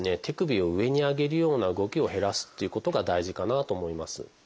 手首を上に上げるような動きを減らすっていうことが大事かなと思います。